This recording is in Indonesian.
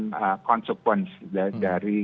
dan konsepensi dari